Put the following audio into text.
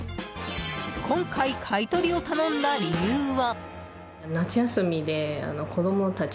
今回、買い取りを頼んだ理由は。